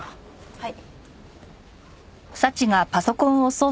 はい。